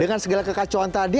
dengan segala kekacauan tadi